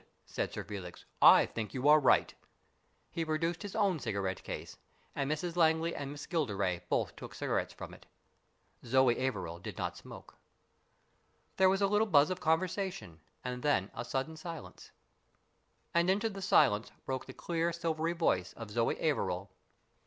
said Sir Felix, "I think you are right." He produced his own cigarette case, and BURDON'S TOMB 83 Mrs Langley and Miss Gilderay both took cigar ettes from it. Zoe Averil did not smoke. There was a little buzz of conversation, and then a sudden silence. And into the silence broke the clear, silvery voice of Zoe Averil.